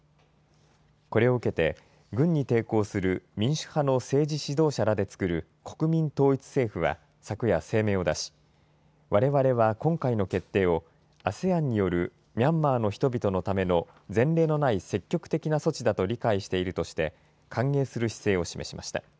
これを受けて軍に抵抗する民主派の政治指導者らで作る国民統一政府は昨夜、声明を出しわれわれは今回の決定をＡＳＥＡＮによるミャンマーの人々のための前例のない積極的な措置だと理解しているとして歓迎する姿勢を示しました。